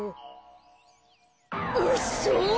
うっそ！